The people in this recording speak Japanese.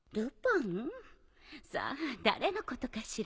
さぁ誰のことかしら。